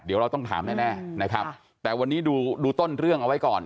เดี๋ยวเราต้องถามแน่นะครับแต่วันนี้ดูต้นเรื่องเอาไว้ก่อน